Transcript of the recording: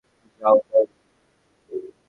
যাও, বোন!